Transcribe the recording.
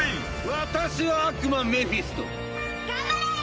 ・私は悪魔メフィスト。